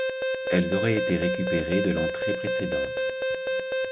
Elles auraient été récupérées de l'entrée précédente.